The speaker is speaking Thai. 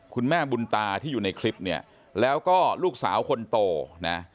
คุณแม่บุญตาที่อยู่ในคลิปเนี่ยแล้วก็ลูกสาวคนโตนะ